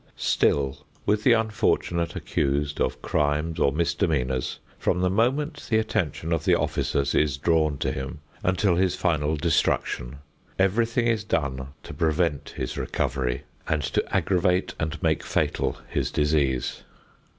Still with the unfortunate accused of crimes or misdemeanors, from the moment the attention of the officers is drawn to him until his final destruction, everything is done to prevent his recovery and to aggravate and make fatal his disease.